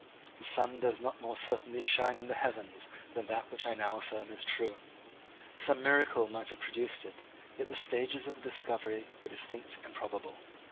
The sun does not more certainly shine in the heavens than that which I now affirm is true. Some miracle might have produced it, yet the stages of the discovery were distinct and probable.